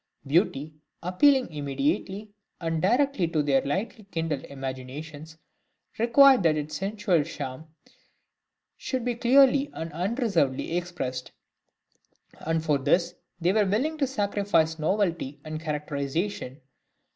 Beauty, appealing immediately and directly to their lightly kindled imaginations, required that its sensual charm should be clearly and unreservedly expressed; and for this they were willing to sacrifice novelty and characterisation.